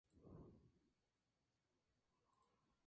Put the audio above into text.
A los diecisiete años se percata que le apasiona el teatro.